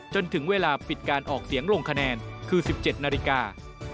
จนถึงเวลาปิดการออกเสียงลงคะแนนคือ๑๗นาฬิกา